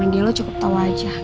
sama dia lo cukup tau aja